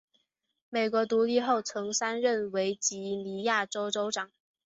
美国独立后曾三任维吉尼亚州州长。